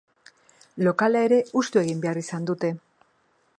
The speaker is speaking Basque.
Lokala ere hustu egin beharizan dute.